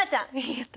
やった。